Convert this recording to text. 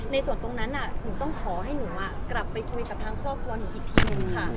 ในส่วนตรงนั้นหนูต้องขอให้หนูกลับไปคุยกับทางครอบครัวหนูอีกทีนึงค่ะ